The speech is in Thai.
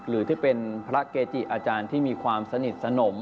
หรือที่เป็นพระเกจิอาจารย์ที่มีความสนิทสนม